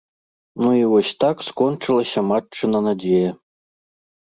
Ну і вось так скончылася матчына надзея.